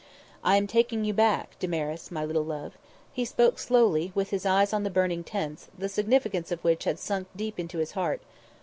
"I am taking you back, Damaris my little love." He spoke slowly, with his eyes on the burning tents, the significance of which had sunk deep into his heart.